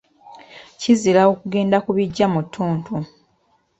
Kizira okugenda ku biggya mu ttuntu.